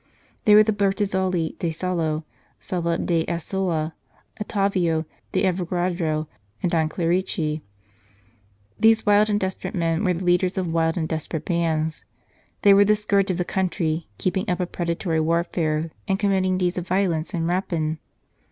They were Bertazzoli de Salo, Sala d Asola, Ottavio d Avogradro, and Don Clerici. These 189 St. Charles Borromeo wild and desperate men were the leaders of wild and desperate bands ; they were the scourge of the country, keeping up a predatory warfare, and committing deeds of violence and rapine.